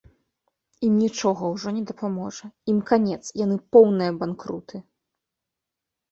Ім нічога ўжо не дапаможа, ім канец, яны поўныя банкруты!